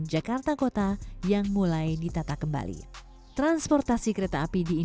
konsep ini tak hanya menyiapkan infrastruktur stasiun